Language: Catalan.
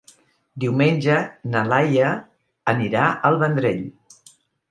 Diumenge na Laia anirà al Vendrell.